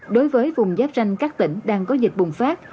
đối với vùng giáp ranh các tỉnh đang có dịch bùng phát